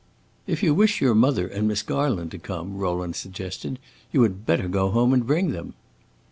"If you wish your mother and Miss Garland to come," Rowland suggested, "you had better go home and bring them."